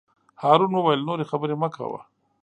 هارون وویل: نورې خبرې مه کوه.